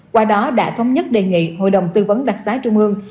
qua đó đã thống nhất đề nghị hội đồng tư vấn đặc xá trung ương